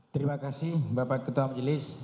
terima kasih bapak ketua majelis